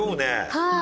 はい。